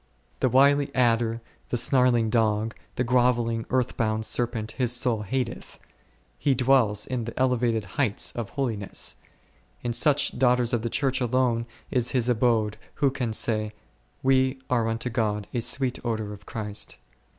The wily adder, the snarling dog, the groveling, earth bound serpent His soul hateth, He dwells in the elevated heights of holiness ; in such daughters of the Church alone is His abode who can say, we are unto God a sweet odour of Christ.